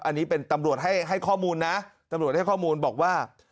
อันนี้เป็นตำรวจให้ข้อมูลนะตำรวจให้ข้อมูลบอกว่า